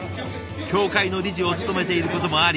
協会の理事を務めていることもあり